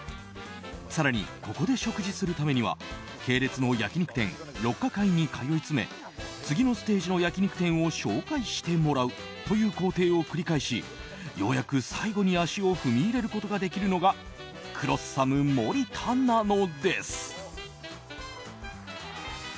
更に、ここで食事するためには系列の焼き肉店六花界に通い詰め次のステージの焼き肉店を紹介してもらうという工程を繰り返しようやく最後に足を踏み入れることができるのがクロッサムモリタなのです。